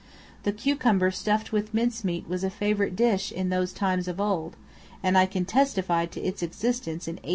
The cucumber stuffed with minced meat was a favorite dish in those times of old; and I can testify to its excellence in 1874.